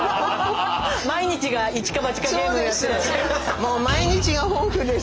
毎日が一か八かゲームやってらっしゃいます。